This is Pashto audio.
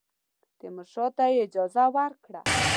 تیمورشاه ته یې اجازه ورکړه.